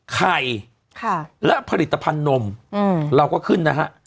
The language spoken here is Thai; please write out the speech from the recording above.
ไข่และผลิตภัณฑ์นมเราก็ขึ้นนะฮะ